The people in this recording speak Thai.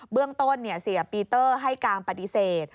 เรื่องต้นเสียปีเตอร์ให้การปฏิเสธ